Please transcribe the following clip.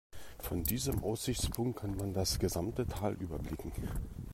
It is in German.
Von diesem Aussichtspunkt kann man das gesamte Tal überblicken.